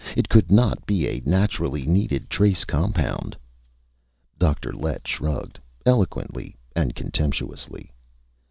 It could not be a naturally needed trace compound." Dr. Lett shrugged, eloquently and contemptuously.